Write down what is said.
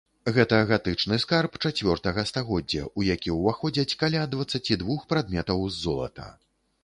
Гэта гатычны скарб чацвёртага стагоддзя, у які ўваходзяць каля дваццаці двух прадметаў з золата.